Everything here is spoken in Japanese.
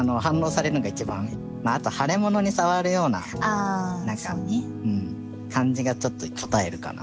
あと腫れ物に触るような感じがちょっとこたえるかな。